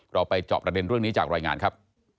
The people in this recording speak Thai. เราไปจอบประเด็นเรื่องนี้จากรายงานครับ